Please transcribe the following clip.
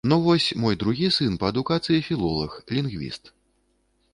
Ну вось, мой другі сын па адукацыі філолаг, лінгвіст.